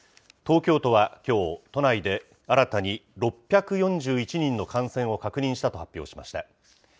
東京都はきょう、都内で新たに６４１人の感染を確認したと発表しました。